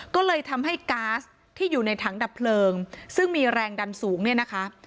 ก็เลยทำให้ก๊าซที่อยู่ในถังดับเพลิงซึ่งมีแรงดันสูงเนี่ยนะคะ